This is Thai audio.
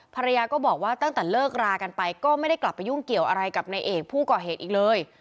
ภรรยาก็บอกว่าตั้งแต่เลิกรากันไปก็ไม่ได้กลับไปยุ่งเกี่ยวอะไรกับนายเอกผู้ก่อเหตุอีกเลย